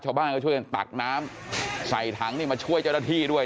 ชาวบ้านก็ช่วยกันตักน้ำใส่ถังนี่มาช่วยเจ้าหน้าที่ด้วย